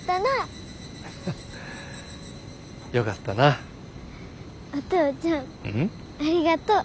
ありがとう。